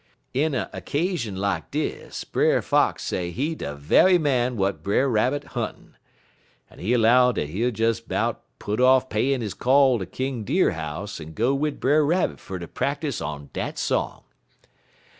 "In a 'casion lak dis, Brer Fox say he de ve'y man w'at Brer Rabbit huntin', en he 'low dat he'll des 'bout put off payin' he call ter King Deer house en go wid Brer Rabbit fer ter practise on dat song.